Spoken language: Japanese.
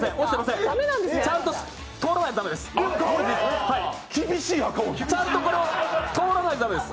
ちゃんと通らないと駄目です。